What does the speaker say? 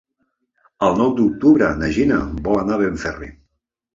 El nou d'octubre na Gina vol anar a Benferri.